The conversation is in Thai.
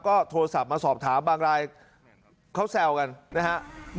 ก็โทรศัพท์มาสอบถามบางรายเขาแซวกันนะครับ